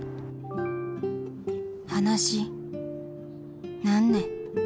「話なんね？」